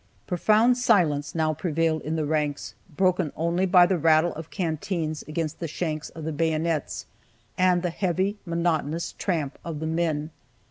Profound silence now prevailed in the ranks, broken only by the rattle of canteens against the shanks of the bayonets, and the heavy, monotonous tramp of the men.